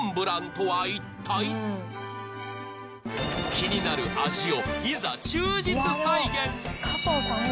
気になる味をいざ忠実再現！